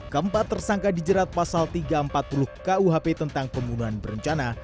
keempat tersangka dijerat pasal tiga ratus empat puluh kuhp tentang pembunuhan berencana